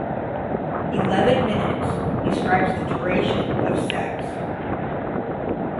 "Eleven minutes" describes the duration of sex.